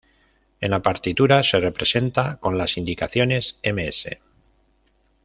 En la partitura se representa con las indicaciones "m.s.